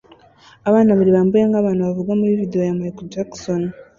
Abana babiri bambaye nk'abantu bavugwa muri videwo ya Michael Jackson